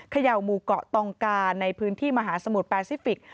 เขย่าหมู่เกาะตองกาในพื้นที่มหาสมุทรแปซิฟิกส